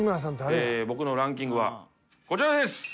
僕のランキングはこちらです。